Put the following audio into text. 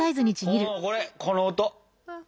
このこれこの音。